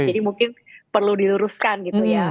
jadi mungkin perlu diluruskan gitu ya